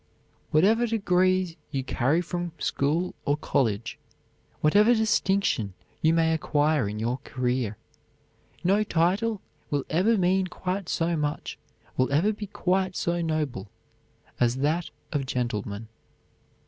Whatever degrees you carry from school or college, whatever distinction you may acquire in your career, no title will ever mean quite so much, will ever be quite so noble, as that of gentleman.